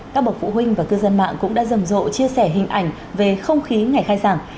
các bậc phụ huynh và cư dân mạng cũng đã rầm rộ chia sẻ hình ảnh về không khí ngày khai giảng